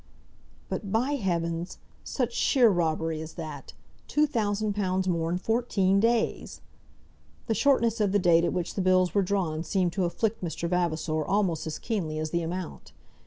"But, by heavens . Such sheer robbery as that! Two thousand pounds more in fourteen days!" The shortness of the date at which the bills were drawn seemed to afflict Mr. Vavasor almost as keenly as the amount.